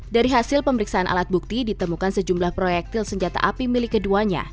dari hasil pemeriksaan alat bukti ditemukan sejumlah proyektil senjata api milik keduanya